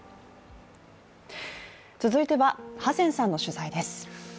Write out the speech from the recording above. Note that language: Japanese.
続いては、ハセンさんの取材です。